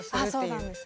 そうなんです。